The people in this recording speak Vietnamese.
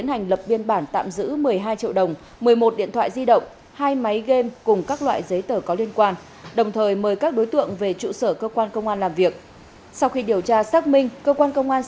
thu giữ ba chiếc điện thoại di động cùng số tiền hơn một mươi hai triệu đồng